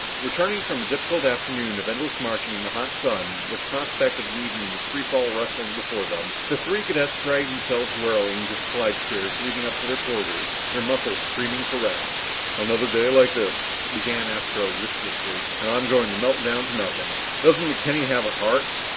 Returning from a difficult afternoon of endless marching in the hot sun with the prospect of an evening of free fall wrestling before them, the three cadets dragged themselves wearily onto the slidestairs leading to their quarters, their muscles screaming for rest. "Another day like this," began Astro listlessly, "and I'm going to melt down to nothing. Doesn't McKenny have a heart?"